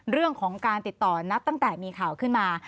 เรื่องของการติดต่อนับตั้งแต่มีข่าวขึ้นมา